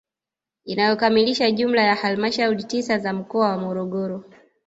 Inayokamilisha jumla ya halmashauri tisa za mkoa wa Morogoro